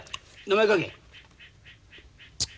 名前書け。